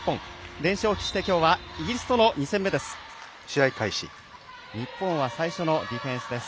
連勝をしてイギリスとの２戦目です。